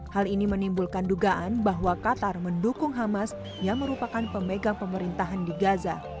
hal ini menimbulkan dugaan bahwa qatar mendukung hamas yang merupakan pemegang pemerintahan di gaza